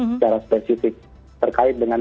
secara spesifik terkait dengan